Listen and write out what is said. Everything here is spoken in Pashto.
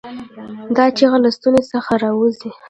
دا چیغه له ستونې څخه راووځي.